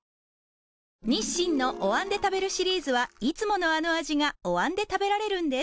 日清のお椀で食べるシリーズはいつものあの味がお椀で食べられるんです